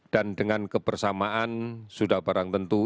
dan dengan kebersamaan sudah barang tentu